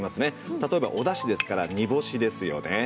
例えばおだしですから煮干しですよね。